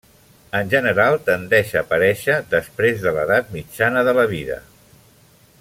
En general, tendeix a aparèixer després de l'edat mitjana de la vida.